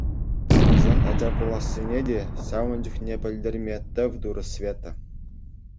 Вӗсен ача пулассине те ҫавӑн чухне пӗлтерме тӗв турӗ Света.